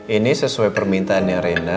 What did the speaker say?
ini sesuai permintaannya reina